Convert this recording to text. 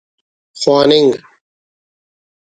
خواننگ